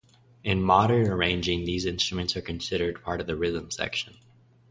In modern arranging these instruments are considered part of the rhythm section.